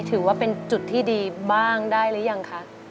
ถือว่าเป็นจุดที่ดีบ้างได้หรือยังคะ